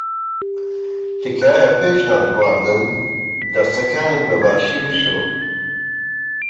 تکایە پێش نان خواردن دەستەکانت بەباشی بشۆ.